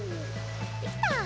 できた！